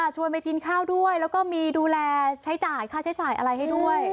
ไปกินข้าวด้วยแล้วก็มีดูแลใช้จ่ายค่าใช้จ่ายอะไรให้ด้วย